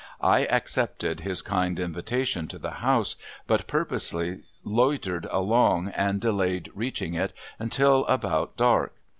I accepted his kind invitation to the house, but purposely loitered along and delayed reaching it until about dark.